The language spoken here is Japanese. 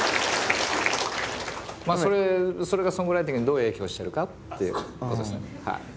まあそれそれがソングライティングにどう影響してるかってことですね。